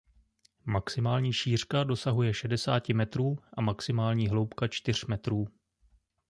Maximální šířka dosahuje šedesáti metrů a maximální hloubka čtyř metrů.